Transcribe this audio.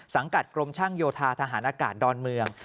กรมช่างโยธาทหารอากาศดอนเมือง